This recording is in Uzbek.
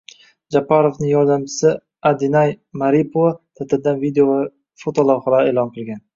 Japarovning yordamchisi Adinay Maripova ta’tildan video va fotolavhalar e’lon qilgan